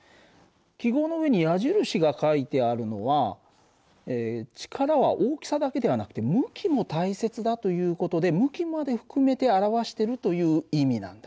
記号の上に矢印が書いてあるのは力は大きさだけではなくて向きも大切だという事で向きまで含めて表してるという意味なんだ。